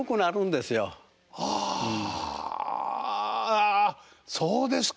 あそうですか。